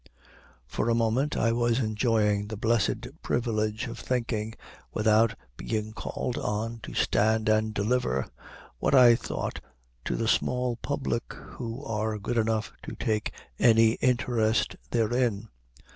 For the moment, I was enjoying the blessed privilege of thinking without being called on to stand and deliver what I thought to the small public who are good enough to take any interest therein.